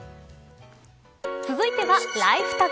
続いてはＬｉｆｅＴａｇ。